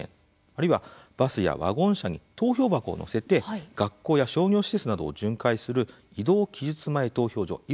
あるいはバスやワゴン車に投票箱を載せて学校や商業施設などを巡回する移動期日前投票所いわゆる巡回投票の活用です。